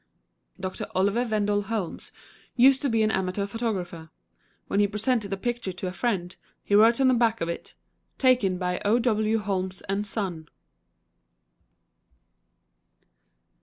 Doctor Oliver Wendell Holmes used to be an amateur photographer. When he presented a picture to a friend, he wrote on the back of it, "Taken by O. W. Holmes & Sun."